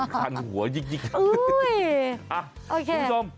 ทิ้งทันหัวยิกค่ะอุ้ยโอเคสุดยอม